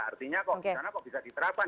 artinya kok bisa diterapkan